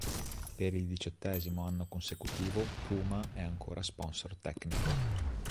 Per il diciottesimo anno consecutivo, Puma è ancora sponsor tecnico.